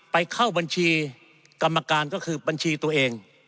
เข้าบัญชีกรรมการก็คือบัญชีตัวเอง